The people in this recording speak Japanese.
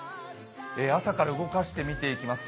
朝から動かして見ていきます。